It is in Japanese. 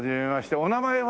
お名前は？